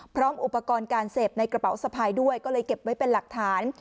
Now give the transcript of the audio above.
พร้อมอุปกรณ์การเสพในกระเป๋าสะพายด้วยก็เลยเก็บไว้เป็นหลักฐาน